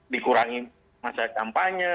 dikurangi masa campainya